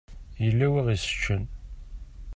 Yella wi ɣ-yesseččen.